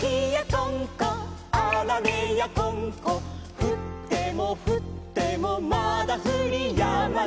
「ふってもふってもまだふりやまぬ」